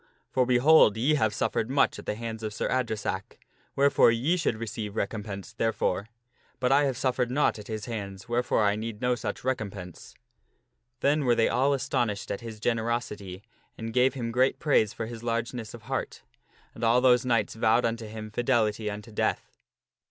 For, behold ! ye have suffered much at the hands of Sir Adresack, wherefore ye should receive recompense therefore, but I have suffered naught at his hands, wherefore I need no such recompense." Then were they all astonished at his generosity and gave him great praise for his largeness of heart. And all those knights vowed unto him fidelity unto death.